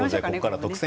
「特選！